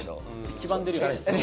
黄ばんでるよね。